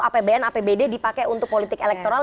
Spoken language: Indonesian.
apbn apbd dipakai untuk politik elektoral